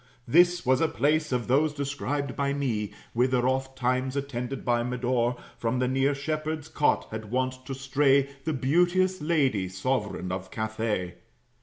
This was a place of those described by me, Whither oft times, attended by Medore, From the near shepherd's cot had wont to stray The beauteous lady, sovereign of Catay.